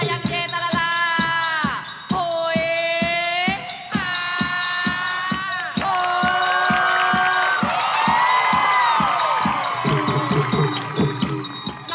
โอ้โหโอ้โหโอ้โห